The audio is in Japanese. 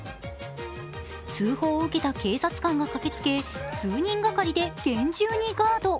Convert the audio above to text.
通報を受けた警察官が駆けつけ、数人がかりで厳重にガード。